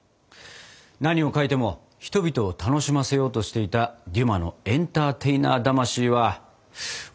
何を書いても人々を楽しませようとしていたデュマのエンターテイナー魂は分かる気がするな。